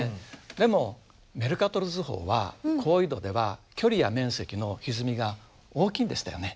でもメルカトル図法は高緯度では距離や面積のひずみが大きいんでしたよね。